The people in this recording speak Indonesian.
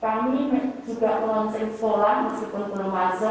kami juga ngel lotion sekolah meskipun belum masuk